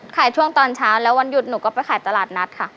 ช่วงตอนเช้าแล้ววันหยุดหนูก็ไปขายตลาดนัดค่ะ